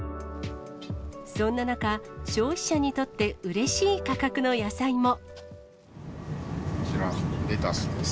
そんな中、消費者にとってうれしい価格の野菜も。